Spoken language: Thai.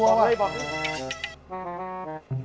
บอกเลยบอกเลย